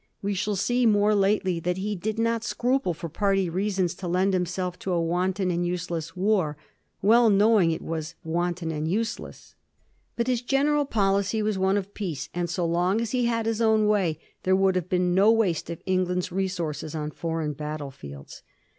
We shall see more lately that he did not scruple, for party reasons, to lend himself to a wanton and useless war, well knowing it was wanton and useless ; but his general policy was one of peace, and so long as he had his own way there would have been no waste of England's resources on foreign battle fields.